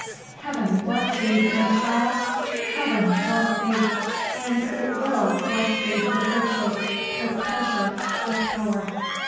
"Heaven bless thee, my child! Heaven bless thee! And it WILL bless thee with riches, with pleasure, with power."